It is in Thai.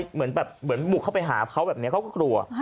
เหมือนแบบหมุกเข้าไปหาเขาแบบนี้เกลอ